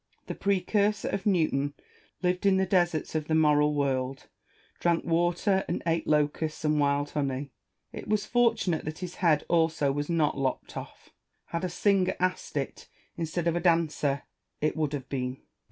The precursor of Newton lived in the deserts of the moral world, drank water, and ate locusts and wild honey. It was for tunate that his head also was not lopped off: had a singer asked it, instead of a dancer, it would have been. Salomon.